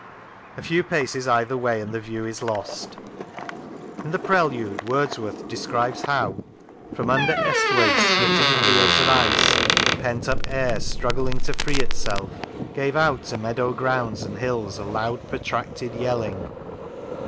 A few paces either way, and the view is lost." 145 T Lancashire In the Prelude Wordsworth describes how From under Esthwaite's splitting fields of ice The pent up air struggling to free itself Gave out to meadow grounds and hills a loud Protracted yelling.